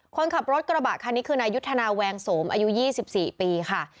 คนขับรถกระบะคันนี้คือนายุทธนาแวงโสมอายุ๒๔ปีค่ะ